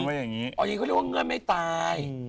อ๋ออย่างนี้ก็เรียกว่าเงื่อนไม่ตาย